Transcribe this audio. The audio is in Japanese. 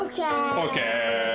ＯＫ！